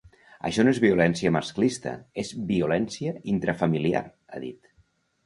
Això no és violència masclista, és violència intrafamiliar, ha dit.